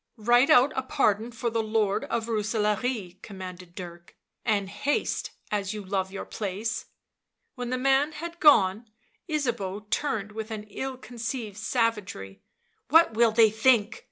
" Write out a pardon for the Lord of Rooselaare," commanded Dirk, " and haste, as you love your place.' 7 When the man had gone, Ysabeau turned with an ill ' concealed savagery. u What will they think